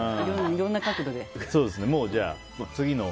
いろんな角度で。